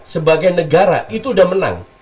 sebagai negara itu udah menang